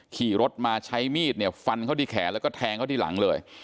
ขี่รถมาใช้มีดเนี่ยฟันเข้าที่แขนแล้วก็แทงเขาที่หลังเลย